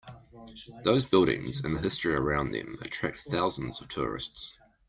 Those buildings and the history around them attract thousands of tourists.